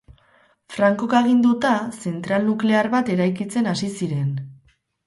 Frankok aginduta, zentral nuklear bat eraikitzen hasi ziren.